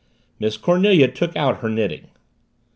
Miss Cornelia took out her knitting.